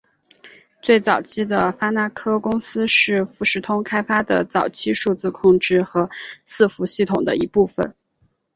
最早期的发那科公司是富士通开发的早期数字控制和伺服系统的一部分。